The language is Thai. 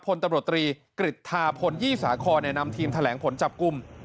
พลตำรวจตรีกฤทธาพลยี่สาครนำทีมแถลงผลจับกลุ่ม